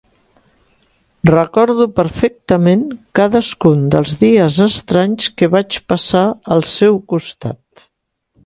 Recordo perfectament cadascun dels dies estranys que vaig passar al seu costat.